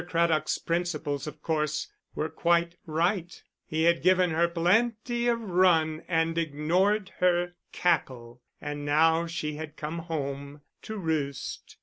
Craddock's principles, of course, were quite right; he had given her plenty of run and ignored her cackle, and now she had come home to roost.